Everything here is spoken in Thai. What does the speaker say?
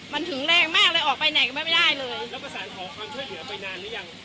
มันถึงแรงมากเลยออกไปไหนก็ไม่ได้เลยแล้วประสานขอความช่วยเหลือไปนานหรือยัง